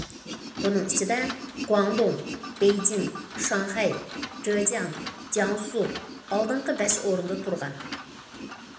بۇنىڭ ئىچىدە، گۇاڭدۇڭ، بېيجىڭ، شاڭخەي، جېجياڭ، جياڭسۇ ئالدىنقى بەش ئورۇندا تۇرغان.